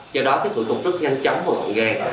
do đó các thủ tục rất nhanh chóng và ngọn gàng